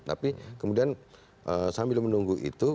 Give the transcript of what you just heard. tapi kemudian sambil menunggu itu